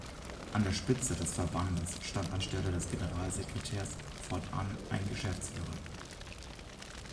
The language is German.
An der Spitze des Verbandes stand anstelle des Generalsekretärs fortan ein Geschäftsführer.